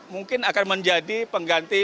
mungkin akan menjadi pengganti